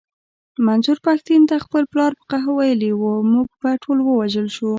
منظور پښتين ته خپل پلار په قهر ويلي و مونږ به ټول ووژل شو.